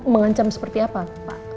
mengancam seperti apa pak